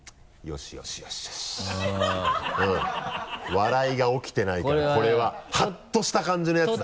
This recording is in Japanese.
笑いが起きてないからこれはハッとした感じのやつだな？